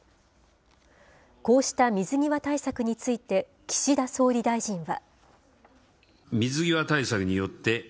こうした水際対策について、岸田総理大臣は。